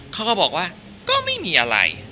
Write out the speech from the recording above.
เขาก็บอกว่าก็ไม่มีอะไร